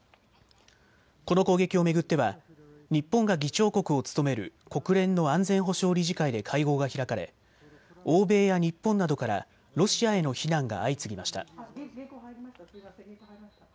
この攻撃を巡っては日本が議長国を務める国連の安全保障理事会で会合が開かれ、欧米や日本などからロシアへの非難が相次ぎました。